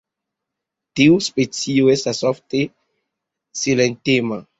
Tiu specio estas ofte silentema.